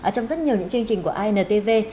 trong rất nhiều những chương trình của antv